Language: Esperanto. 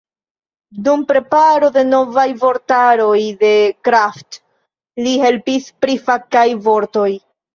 Dum preparo de novaj vortaroj de Kraft li helpis pri fakaj vortoj.